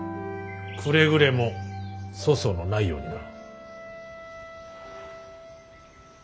くれぐれも粗相のないようにな。